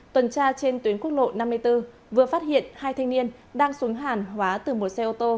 tuần tra trên tuyến quốc lộ năm mươi bốn vừa phát hiện hai thanh niên đang xuống hàng hóa từ một xe ô tô